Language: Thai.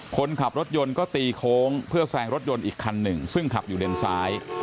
คนขับรถยนต์ก็ตีโค้งเพื่อแซงรถยนต์อีกคันหนึ่งซึ่งขับอยู่เลนซ้าย